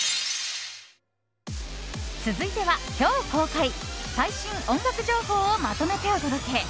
続いては、今日公開最新音楽情報をまとめてお届け。